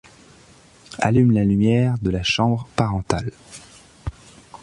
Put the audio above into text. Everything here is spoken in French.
Allume la lumière de la chambre parentale.